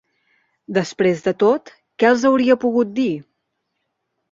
Després de tot, què els hauria pogut dir?